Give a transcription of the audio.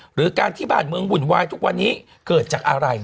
หรือการที่บ้านเมืองหวุ่นวายทุกวันนี้เกิดจากอะไร